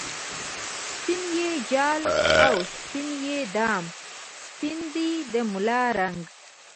سپین یی جال او سپین یی دام ، سپین دی د ملا رنګ